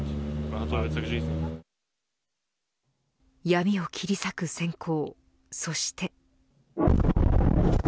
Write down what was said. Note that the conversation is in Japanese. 闇を切り裂く閃光そして。